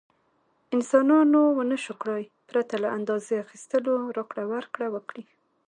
انسانانو ونشو کړای پرته له اندازې اخیستلو راکړه ورکړه وکړي.